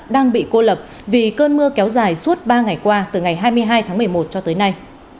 đang bị cô lập vì cơn mưa kéo dài suốt ba ngày qua từ ngày hai mươi hai tháng một mươi một cho tới nay